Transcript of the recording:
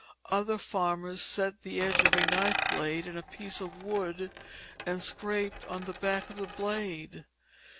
Other farmers set the edge of a knife blade in a piece of wood and scraped on the back of the blade.